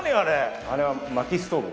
あれは薪ストーブ。